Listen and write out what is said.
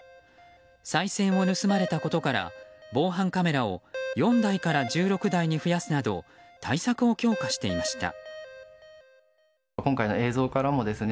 さい銭を盗まれたことから防犯カメラを４台から１６台に増やすなど対策を強化していました。